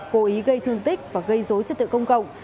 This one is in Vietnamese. cố ý gây thương tích và gây dối chất tự công cộng